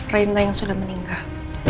reina yang sudah meninggal